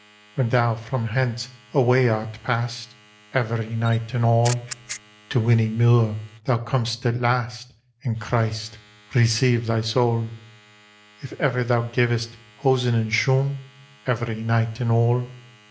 When thou from hence away art passed, — Every nighte and alle. To Whinny muir thou com'st at last; And Christe receive thy saule. If ever thou gavest hosen and shoon, — Every nighte and alle.